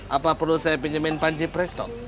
apa perlu saya pinjamin panci presto